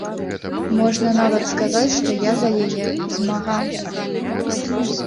Можна нават сказаць, што я за яе змагаўся.